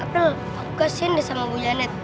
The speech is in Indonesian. april aku kesini sama bu janet